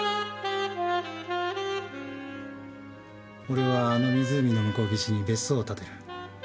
俺はあの湖の向こう岸に別荘を建てる。